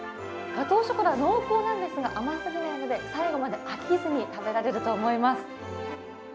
ガトーショコラ、濃厚なんですが甘すぎない味で、最後まで飽きずに食べられると思います。